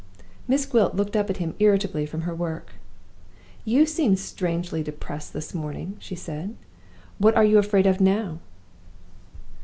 Miss Gwilt looked up at him irritably from her work. "You seem strangely depressed this morning," she said. "What are you afraid of now?"